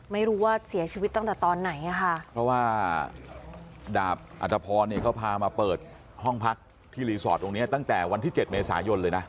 ไม่รู้ว่าเสียชีวิตตั้งแต่ตอนไหนอ่ะค่ะเพราะว่าดาบอัตภพรเนี่ยเขาพามาเปิดห้องพักที่รีสอร์ทตรงเนี้ยตั้งแต่วันที่เจ็ดเมษายนเลยนะ